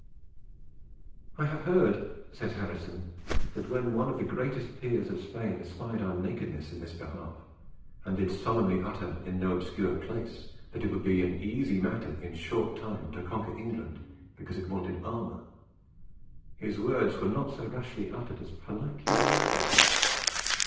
"I have heard," says Harrison, "that when one of the greatest peers of Spain espied our nakedness in this behalf, and did solemnly utter in no obscure place, that it would be an easy matter in short time to conquer England because it wanted armour, his words were not so rashly uttered as politely noted."